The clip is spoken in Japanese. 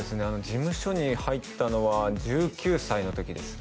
事務所に入ったのは１９歳の時です